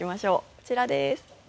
こちらです。